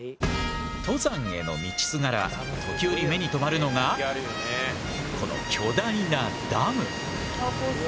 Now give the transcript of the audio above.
登山への道すがら時おり目に留まるのがこの巨大なダム！